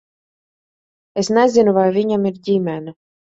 Es nezinu, vai viņam ir ģimene.